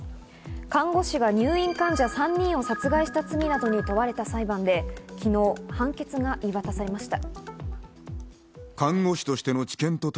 看護師が入院患者３人を殺害した罪などに問われた裁判で、昨日、判決が言い渡されました。